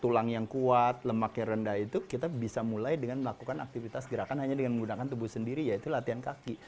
tulang yang kuat lemak yang rendah itu kita bisa mulai dengan melakukan aktivitas gerakan hanya dengan menggunakan tubuh sendiri yaitu latihan kaki